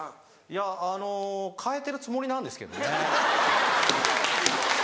いやあの変えてるつもりなんですけどね。